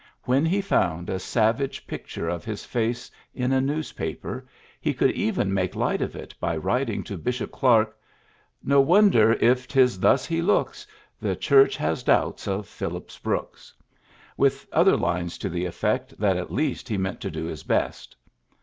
When he found a savage picture of his face in a newspaper, he could even make light of it by writing to Bishop Clark, '^'No wonder, if 'tis thus he looks, The Church has doubts of Phillips Brooks," with other lines to the effect that at least he meant to do his best.